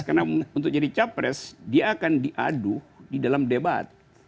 karena untuk jadi capres dia akan diadu di dalam debat